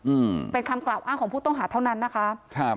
อืมเป็นคำกล่าวอ้างของผู้ต้องหาเท่านั้นนะคะครับ